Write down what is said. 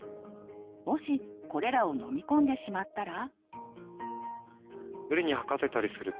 もしこれらを飲み込んでしまったら？